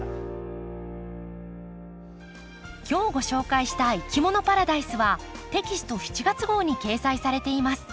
今日ご紹介した「いきものパラダイス」はテキスト７月号に掲載されています。